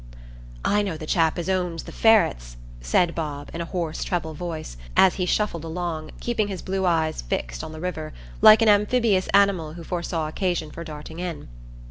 "I know the chap as owns the ferrets," said Bob, in a hoarse treble voice, as he shuffled along, keeping his blue eyes fixed on the river, like an amphibious animal who foresaw occasion for darting in.